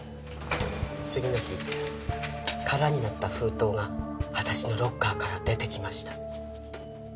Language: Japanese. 次の日空になった封筒が私のロッカーから出てきました。